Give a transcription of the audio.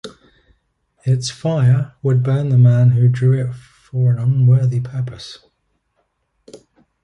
Its fire would burn the man who drew it for an unworthy purpose.